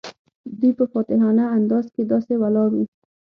دوی په فاتحانه انداز کې داسې ولاړ وو.